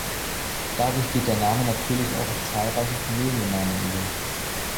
Dadurch geht der Name natürlich auch auf zahlreiche Familiennamen über.